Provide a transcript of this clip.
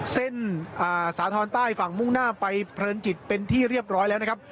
สาธรณ์ใต้ฝั่งมุ่งหน้าไปเพลินจิตเป็นที่เรียบร้อยแล้วนะครับ